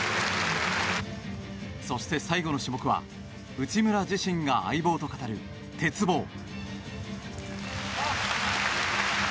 そして最後の種目は内村自身が相棒と語る鉄棒。